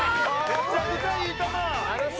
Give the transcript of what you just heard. めちゃくちゃいい球！